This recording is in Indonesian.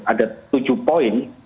ada tujuh poin